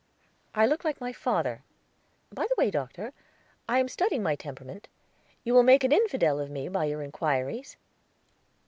"I look like my father. By the way, Doctor, I am studying my temperament. You will make an infidel of me by your inquiries."